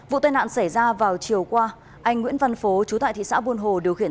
vụ tai nạn xảy ra vào chiều qua anh nguyễn văn phố chú tại thị xã buôn hồ